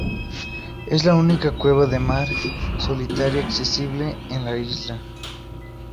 Es la única cueva de mar solitaria accesible en la isla.